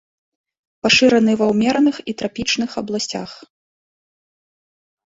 Пашыраны ва ўмераных і трапічных абласцях.